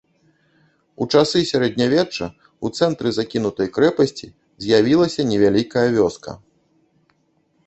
У часы сярэднявечча ў цэнтры закінутай крэпасці з'явілася невялікая вёска.